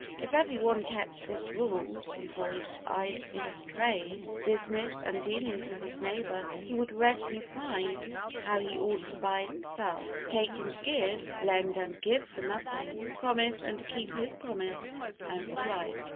If every one kept this rule before his eyes in his trade, business, and dealings with his neighbor, he would readily find how he ought to buy and sell, take and give, lend and give for nothing, promise and keep his promise, and the like.